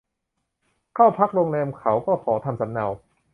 เข้าพักโรงแรมเขาก็ขอทำสำเนา